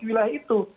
masuk ke wilayah itu